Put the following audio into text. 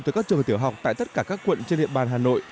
từ các trường tiểu học tại tất cả các quận trên địa bàn hà nội